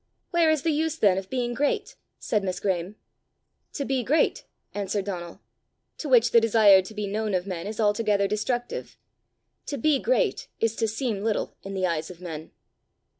"Where is the use then of being great?" said Miss Graeme. "To be great," answered Donal, " to which the desire to be known of men is altogether destructive. To be great is to seem little in the eyes of men."